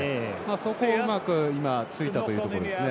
そこをうまく、今ついたということですね。